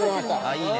いいね。